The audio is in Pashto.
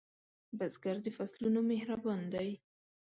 بزګر د فصلونو مهربان دی